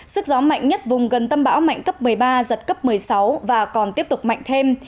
sức gió mạnh nhất vùng gần tâm bão mạnh cấp một mươi ba giật cấp một mươi sáu và còn tiếp tục mạnh thêm